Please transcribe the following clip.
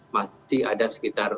masih ada sekitar